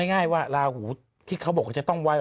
แสดงว่าลาหูเนี่ยเข้าจนแต่ปีที่แล้วแล้ว